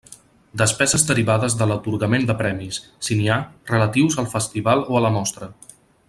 Despeses derivades de l'atorgament de premis, si n'hi ha, relatius al festival o a la mostra.